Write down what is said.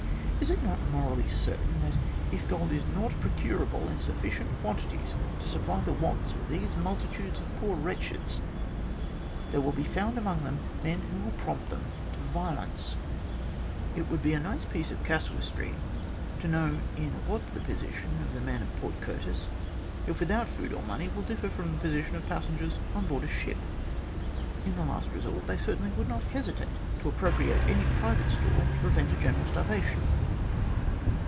Is it not morally certain that, if gold is not procurable in sufficient quantities to supply the wants of these multitudes of poor wretches, there will be found among them men who will prompt them to violence ? It would be a nice piece of casuistry to know in what the position of the men at Port Curtis, if with out food or money, will differ from the position of passengers on board a ship. In the last resort they certainly would not hesitate to appropriate any private store to prevent a general starvation.